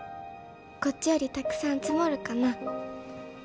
「こっちよりたくさん積もるかな」